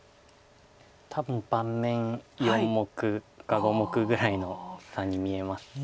多分盤面４目か５目ぐらいの差に見えます。